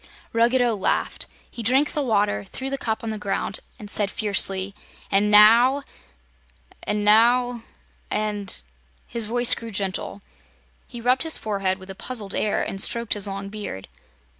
Ruggedo laughed. He drank the water, threw the cup on the ground and said fiercely: "And now and now and " His voice grew gentle. He rubbed his forehead with a puzzled air and stroked his long beard.